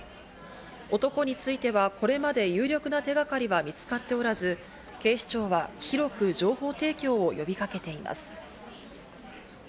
男については、これまで有力な手がかりは見つかっておらず、警視庁は広く、情報提供を呼びかけています。